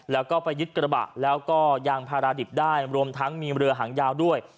แล้วก็ไปยึดกระบะแล้วก็ยางพาราดิบได้รวมทั้งมีเรือหางยาวด้วย